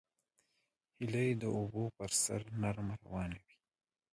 هیلۍ د اوبو پر سر نرمه روانه وي